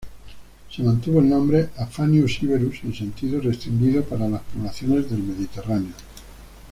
Se mantuvo el nombre "Aphanius iberus" en sentido restringido para las poblaciones del mediterráneo.